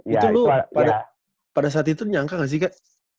itu lo pada saat itu nyangka gak sih kak